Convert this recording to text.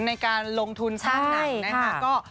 ในการลงทุนสร้างหนังนะคะ